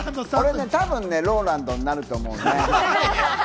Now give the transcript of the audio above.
多分ＲＯＬＡＮＤになると思ったね。